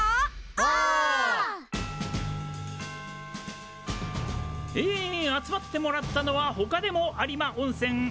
お！え集まってもらったのはほかでも有馬温泉いえありません。